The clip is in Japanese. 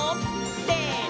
せの！